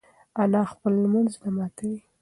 انا خپل لمونځ نه ماتوي.